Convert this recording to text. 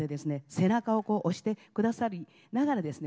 背中をこう押してくださりながらですね